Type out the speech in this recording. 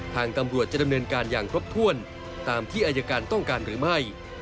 ทางตำรวจจะดำเนินการอย่างครบถ้วนตามที่อายการต้องการหรือไม่